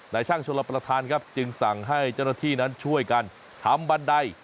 ช่างชลประธานครับจึงสั่งให้เจ้าหน้าที่นั้นช่วยกันทำบันได